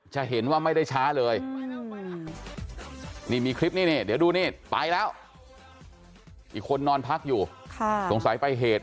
จะเห็นว่าไม่ได้ช้าเลยนี่มีคลิปนี้เนี่ยเดี๋ยวดูนี่ไปแล้ว